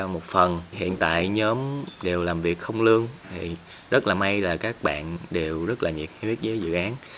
một phần hiện tại nhóm đều làm việc không lương thì rất là may là các bạn đều rất là nhiệt huyết với dự án